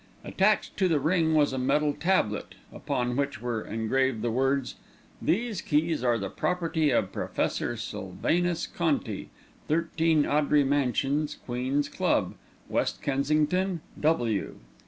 Attached to the ring was a metal tablet, upon which were engraved the words: "These keys are the property of Professor Sylvanus Conti, 13 Audrey Mansions, Queen's Club, West Kensington, W.